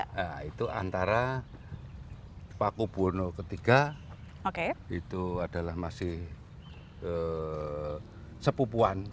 nah itu antara paku buwono iii itu adalah masih sepupuan